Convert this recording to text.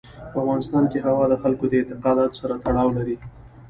په افغانستان کې هوا د خلکو د اعتقاداتو سره تړاو لري.